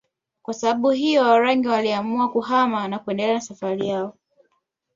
Kwa sababu hiyo Warangi waliamua kuhama na kuendelea na safari yao